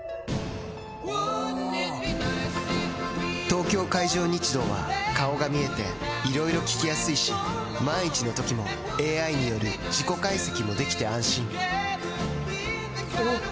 東京海上日動は顔が見えていろいろ聞きやすいし万一のときもＡＩによる事故解析もできて安心おぉ！